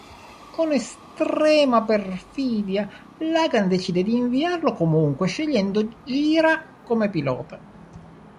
Con estrema perfidia, Lagan decide di inviarlo comunque scegliendo Gira come pilota.